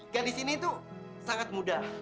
gadis ini tuh sangat muda